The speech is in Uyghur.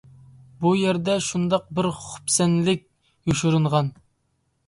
بۇ يەردە شۇنداق بىر خۇپسەنلىك يوشۇرۇنغان.